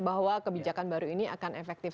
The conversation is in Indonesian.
bahwa kebijakan baru ini akan efektif